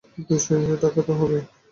দুই তিন শ টাকা তো হবেই।